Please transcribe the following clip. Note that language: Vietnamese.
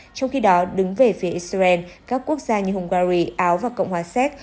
trong khi đó đứng về phía israel các quốc gia như hungary áo và cộng hòa séc